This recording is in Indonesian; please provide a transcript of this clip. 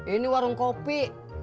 ini warung kopi